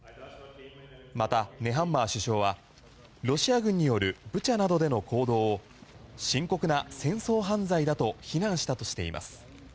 また、ネハンマー首相はロシア軍によるブチャなどでの行動を深刻な戦争犯罪だと非難したとしています。